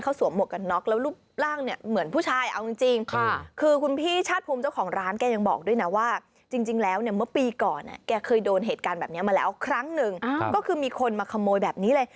ก็ซื้อผ้าตาฝากน้องบ้างนะ